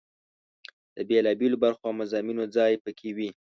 د بېلا بېلو برخو او مضامینو ځای په کې وي.